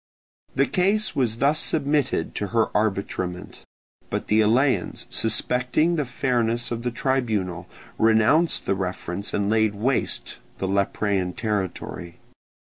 The case was thus submitted to her arbitrament; but the Eleans, suspecting the fairness of the tribunal, renounced the reference and laid waste the Leprean territory.